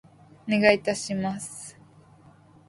お願い致します。